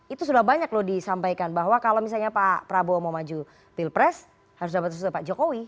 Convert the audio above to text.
itu sudah banyak loh disampaikan bahwa kalau misalnya pak prabowo mau maju pilpres harus dapat sesuai pak jokowi